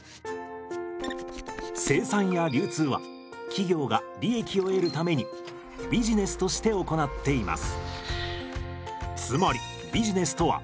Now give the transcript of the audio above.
生産や流通は企業が利益を得るためにビジネスとして行っています。